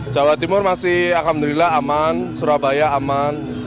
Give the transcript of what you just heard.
jawa timur masih alhamdulillah aman surabaya aman